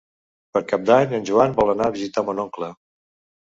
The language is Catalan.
Per Cap d'Any en Joan vol anar a visitar mon oncle.